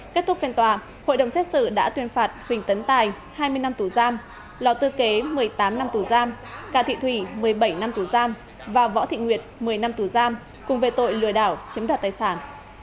kết thúc phiên tòa hội đồng xét xử đã tuyên phạt huỳnh tấn tài hai mươi năm tù giam lò tư kế một mươi tám năm tù giam cà thị thủy một mươi bảy năm tù giam và võ thị nguyệt một mươi năm tù giam cùng về tội lừa đảo chiếm đoạt tài sản